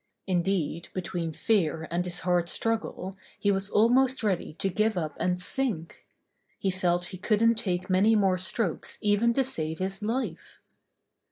Indeed, between fear and his hard struggle he was al most ready to give up and sink. He felt he couldn't take many more strokes even to save his life.